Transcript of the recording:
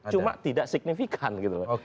cuma tidak signifikan gitu